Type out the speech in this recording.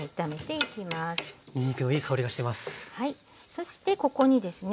そしてここにですね